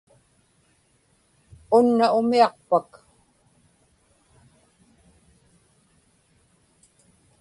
unna umiaqpak